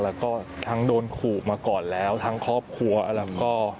แล้วก็ทั้งโดนขู่มาก่อนแล้วทั้งครอบครัวแล้วก็